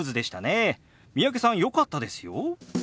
三宅さんよかったですよ。